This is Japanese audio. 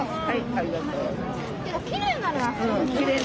はい！